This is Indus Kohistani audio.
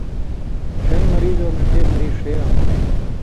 ݜَیں مریضؤں مہ چے مریض ݜے آن٘س